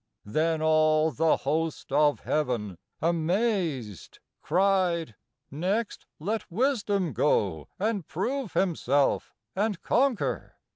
Then all the host of heav'n, amazed, Cried, 'Next let Wisdom go and prove Himself and conquer.